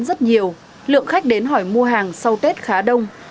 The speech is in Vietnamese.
rất nhiều lượng khách đến hỏi mua hàng sau tết khá đông